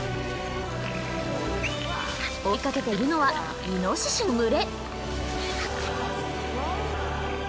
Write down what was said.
追いかけているのはイノシシの群れ。